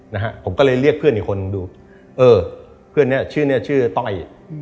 นะฮะผมก็เลยเรียกเพื่อนอีกคนดูเออเพื่อนเนี้ยชื่อเนี้ยชื่อต้อย